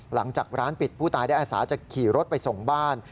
หลังจากร้านปิดผู้ตายได้อาสาจะขี่รถไปส่งบ้าน